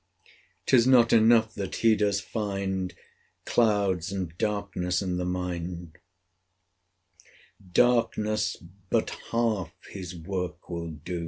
'Tis not enough that he does find Clouds and darkness in the mind: Darkness but half his work will do.